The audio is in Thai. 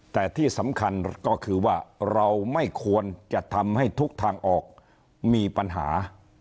แต่ที่สำคัญก็คือว่าเราไม่ควรจะทำให้ทุกทางออกมีปัญหา